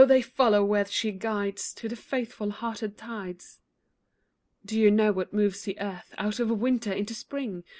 they follow where she guides, Do the faithful hearted tides. Do you know what moves the earth Out of winter into spring?